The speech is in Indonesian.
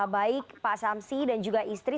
baik pak samsi dan juga istri